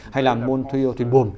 hay là môn thiêu thuyền bồn